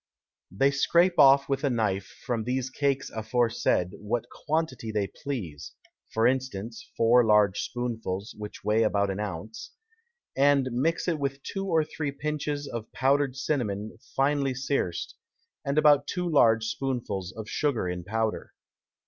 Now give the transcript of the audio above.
They scrape off with a Knife from these Cakes aforesaid, what Quantity they please, (for Instance, four large Spoonfuls, which weigh about an Ounce) and mix with it two or three Pinches of powder'd Cinnamon finely searced, and about two large Spoonfuls of Sugar in Powder.